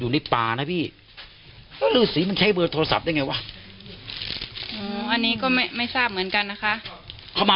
ไม่บ้านแม่ชมพูก็เสียเหมือนกันนะคะ